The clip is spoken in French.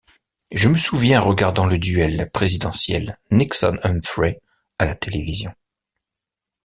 Je me souviens regardant le duel présidentiel Nixon-Humphrey à la télévision.